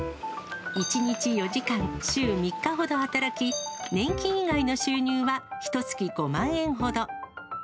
１日４時間、週３日ほど働き、年金以外の収入はひとつき５万円ほど。